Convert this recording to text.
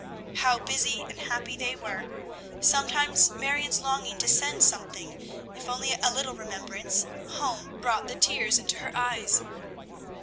How busy and happy they were! Sometimes Marion's longing to send something, if only a little remembrance, home brought the tears into her eyes.